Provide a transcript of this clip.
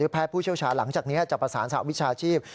ที่แพทย์ผู้เชี่ยวชาห์หลังจากนี้จับประสานสหวิชาชีพ